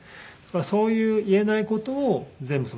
そういう言えない事を全部その小説。